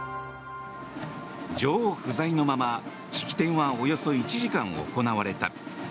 女王不在のまま式典はおよそ１時間行われた。